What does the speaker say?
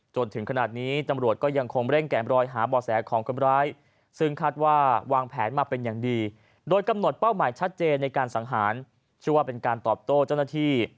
จนถึงขนาดนี้ตำรวจก็ยังคงเร่งแก่มรอยหาบ่อแสของคนร้ายซึ่งคาดว่าวางแผนมาเป็นอย่างดีโดยกำหนดเป้าหมายชัดเจนในการสังหารชื่อว่าเป็นการตอบโต้เจ้าหน้าที่